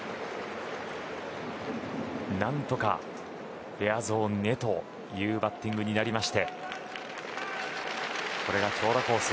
何とかフェアゾーンへというバッティングになりましてこれが長打コース。